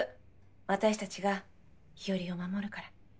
私たちが日和を守るから。